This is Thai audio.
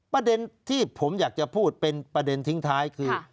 ประเด็นที่ผมอยากจะพูดเป็นประเด็นทิ้งท้ายคือ